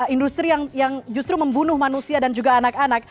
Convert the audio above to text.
industri yang justru membunuh manusia dan juga anak anak